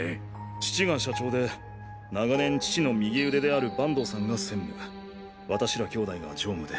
父が社長で長年父の右腕である板東さんが専務私ら兄弟が常務で。